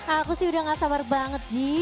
aku sih udah gak sabar banget ji